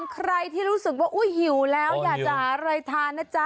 ใครที่รู้สึกว่าหิวแล้วอยากจะหาอะไรทานนะจ๊ะ